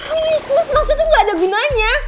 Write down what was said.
apa useless maksudnya tuh gak ada gunanya